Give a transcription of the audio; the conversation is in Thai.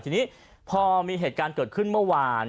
ทีนี้พอมีเหตุการณ์เกิดขึ้นเมื่อวาน